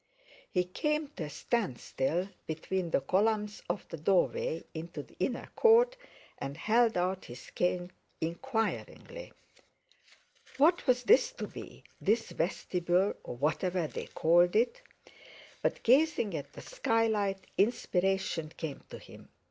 He came to a standstill between the columns of the doorway into the inner court, and held out his cane inquiringly. What was this to be—this vestibule, or whatever they called it? But gazing at the skylight, inspiration came to him.